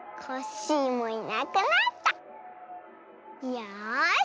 よし。